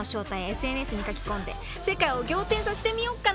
ＳＮＳに書き込んで世界を仰天させてみよっかな。